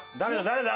誰だ？